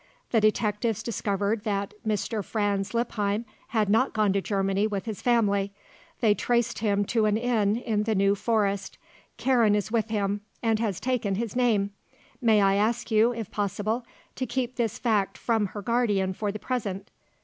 The detectives discovered that Mr. Franz Lippheim had not gone to Germany with his family. They traced him to an inn in the New Forest. Karen is with him and has taken his name. May I ask you, if possible, to keep this fact from her guardian for the present.